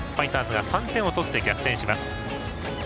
ファイターズが３点を取って逆転します。